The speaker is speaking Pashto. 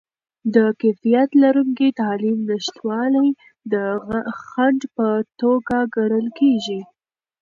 د کیفیت لرونکې تعلیم نشتوالی د خنډ په توګه ګڼل کیږي.